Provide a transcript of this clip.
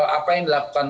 apa yang dilakukan